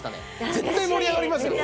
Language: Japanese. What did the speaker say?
絶対盛り上がりますよね。